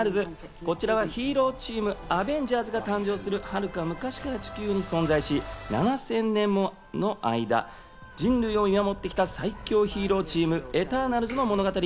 こちらはヒーローチーム・アベンジャーズが誕生する、はるか昔から地球に存在し、７０００年もの間、人類を見守ってきた最強ヒーローチーム、エターナルズの物語。